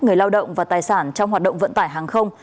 người lao động và tài sản trong hoạt động vận tải hàng không